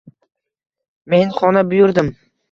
Men xona buyurdim.